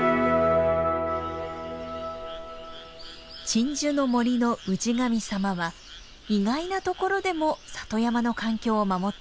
鎮守の森の氏神様は意外なところでも里山の環境を守っています。